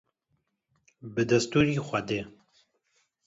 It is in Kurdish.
Bi destûrî Xwedê.